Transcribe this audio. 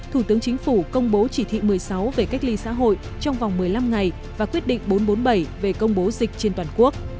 thủ tướng chính phủ công bố chỉ thị một mươi sáu về cách ly xã hội trong vòng một mươi năm ngày và quyết định bốn trăm bốn mươi bảy về công bố dịch trên toàn quốc